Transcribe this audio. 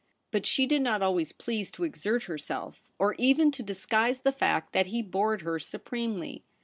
But she did not always please to exert herself, or even to disguise the fact that he bored her supremely.